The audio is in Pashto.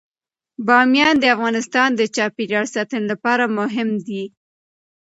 بامیان د افغانستان د چاپیریال ساتنې لپاره مهم دي.